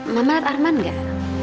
mama lihat arman gak